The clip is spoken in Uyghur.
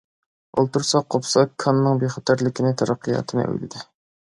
ئولتۇرسا، قوپسا كاننىڭ بىخەتەرلىكىنى، تەرەققىياتىنى ئويلىدى.